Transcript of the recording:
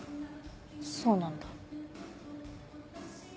そうなんだ。